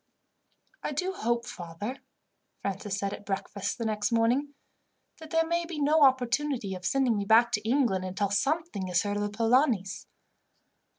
"I do hope, father," Francis said at breakfast the next morning, "that there may be no opportunity of sending me back to England, until something is heard of the Polanis."